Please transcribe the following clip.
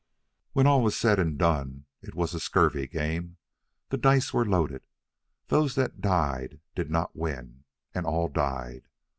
When all was said and done, it was a scurvy game. The dice were loaded. Those that died did not win, and all died.